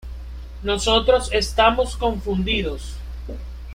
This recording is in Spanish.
Nosotros estamos confundidos.